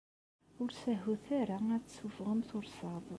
Ur sehhut ara ad tessuffɣem tursaḍ.